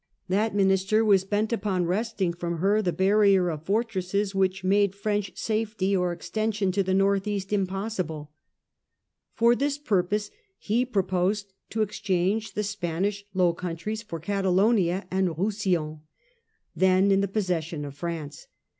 That minister was bent upon wresting from her the barrier of fortresses which made French safety Mazarin's or extension to the north east impossible. For offers. this purpose he proposed to exchange the Span ish Low Countries for Catalonia and Roussillon, then in the possession of France.